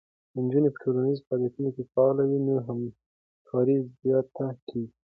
که نجونې په ټولنیزو فعالیتونو کې فعاله وي، نو همکاری زیاته کېږي.